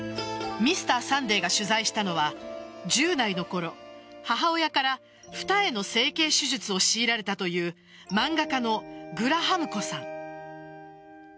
「Ｍｒ．サンデー」が取材したのは１０代のころ、母親から二重の整形手術を強いられたという漫画家のグラハム子さん。